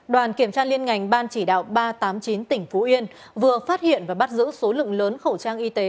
đoàn kiểm tra liên ngành ban chỉ đạo ba trăm tám mươi chín tỉnh phú yên vừa phát hiện và bắt giữ số lượng lớn khẩu trang y tế